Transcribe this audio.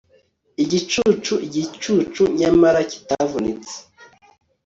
Igicucu igicucu nyamara kitavunitse